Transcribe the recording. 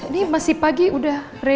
ini masih pagi udah rela